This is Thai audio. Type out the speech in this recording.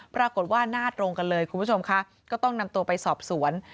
ปรากฏว่าหน้าตรงกันเลยคุณผู้ชมค่ะก็ต้องนำตัวไปสอบสวน